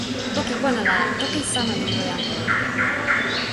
toki pona la, toki sama li jo e ante mute.